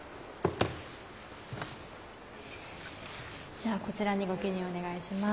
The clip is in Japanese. じゃあこちらにご記入お願いします。